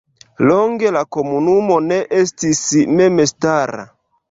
Longe la komunumo ne estis memstara.